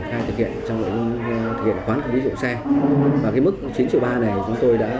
và mức chín triệu ba này chúng tôi đã có mức khoán kinh tế dụng xe của các đơn vị